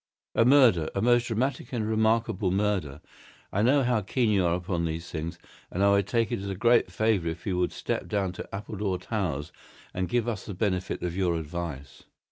"A murder—a most dramatic and remarkable murder. I know how keen you are upon these things, and I would take it as a great favour if you would step down to Appledore Towers and give us the benefit of your advice.